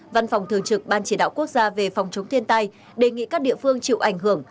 văn phòng thường trực ban chỉ đạo quốc gia về phòng chống thiên tai đề nghị các địa phương chịu ảnh hưởng